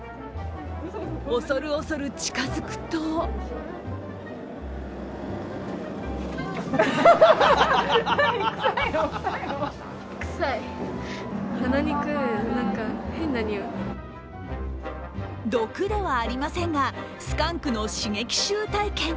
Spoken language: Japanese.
恐る恐る近づくと毒ではありませんがスカンクの刺激臭体験。